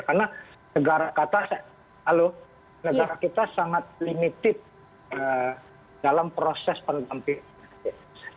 karena negara kata halo negara kita sangat limited dalam proses pendampingan